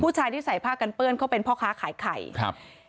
ผู้ชายที่ใส่ผ้ากันเปื้อนเขาเป็นพ่อค้าขายไข่ครับ